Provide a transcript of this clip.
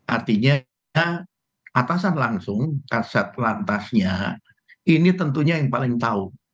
artinya atasan langsung kasat lantasnya ini tentunya yang paling tahu